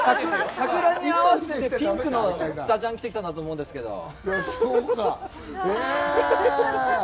桜に合わせてピンクのスタジャン着てきたんだなと思いますけれども。